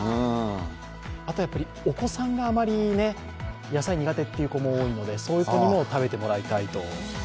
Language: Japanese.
あとお子さんがあまり野菜苦手という子も多いのでそういう子にも食べてもらいたいと。